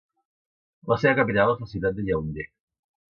La seva capital és la ciutat de Yaoundé.